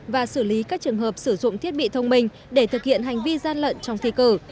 và xử lý các trường hợp sử dụng thiết bị thông minh để thực hiện hành vi gian lận trong thi cử